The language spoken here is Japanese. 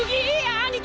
兄貴！